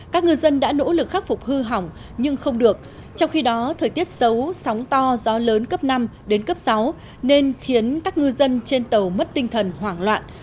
các ngư dân đã nỗ lực khắc phục hư hỏng nhưng không được trong khi đó thời tiết xấu sóng to gió lớn cấp năm đến cấp sáu nên khiến các ngư dân trên tàu mất tinh thần hoảng loạn